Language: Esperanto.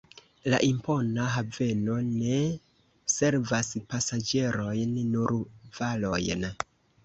La impona haveno ne servas pasaĝerojn, nur varojn.